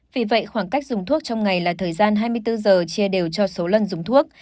vì vậy khoảng cách dùng thuốc trong ngày là thời gian hai mươi bốn giờ chia đều cho số lần dùng thuốc